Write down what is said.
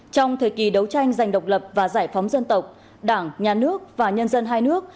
trong thời kỳ đấu tranh giành độc lập và giải phóng dân tộc đảng nhà nước và nhân dân hai nước